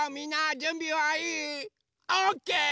オッケー！